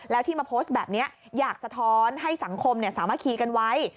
แล้วที่มาโพสต์แบบนี้อยากสะท้อนให้สังคมสามัคคีกันไว้